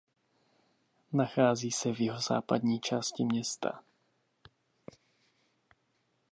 Nachází se v jihozápadní části města.